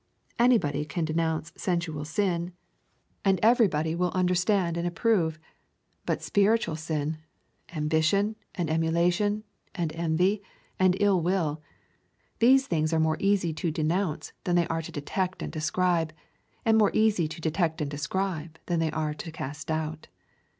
Anybody can denounce sensual sin, and everybody will understand and approve. But spiritual sin, ambition and emulation and envy and ill will these things are more easy to denounce than they are to detect and describe, and more easy to detect and describe than they are to cast out.